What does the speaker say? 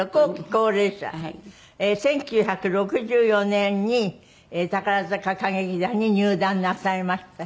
１９６４年に宝塚歌劇団に入団なさいました。